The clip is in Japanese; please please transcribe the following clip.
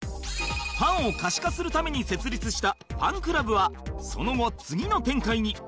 ファンを可視化するために設立したファンクラブはその後次の展開に。